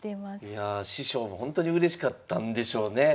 いやあ師匠もほんとにうれしかったんでしょうね。